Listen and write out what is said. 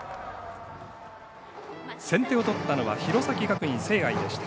先手を取ったのは弘前学院聖愛でした。